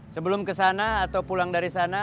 sebelum kesana atau pulang dari sana